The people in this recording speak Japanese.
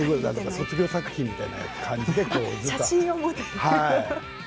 卒業作品みたいな感じでね。